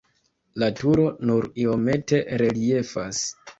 La turo nur iomete reliefas.